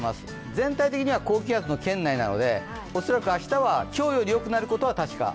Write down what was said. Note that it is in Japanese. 全体的には高気圧の圏内なので恐らく明日は今日よりよくなることは確か。